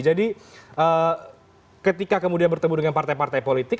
jadi ketika kemudian bertemu dengan partai partai politik